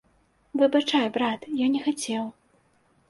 Выбачай, брат, я не хацеў.